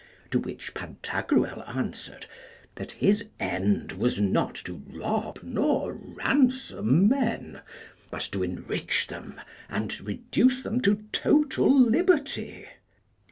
To which Pantagruel answered, that his end was not to rob nor ransom men, but to enrich them and reduce them to total liberty.